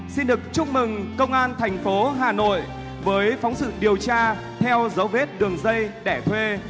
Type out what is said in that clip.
xin được chúc mừng công an thành phố hà nội với phóng sự điều tra theo dấu vết đường dây đẻ thuê